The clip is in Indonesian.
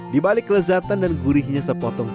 dibalik lezatan dan gurihnya sepotong tangan